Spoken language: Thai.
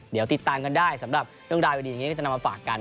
เดี๋ยวติดตามกันได้สำหรับเรื่องราวดีอย่างนี้ที่จะนำมาฝากกัน